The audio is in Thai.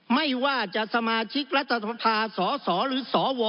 ไม่ว่าจะสมาชิกรัฐภาษาสอสอหรือสอวอ